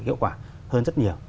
hiệu quả hơn rất nhiều